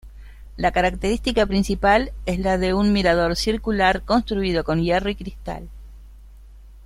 La característica principal es la de un mirador circular construido con hierro y cristal.